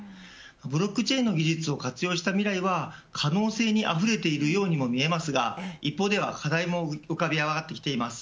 ブロックチェーンの技術を活用した未来は可能性にあふれているようにも見えますが一方では課題も浮かび上がっています。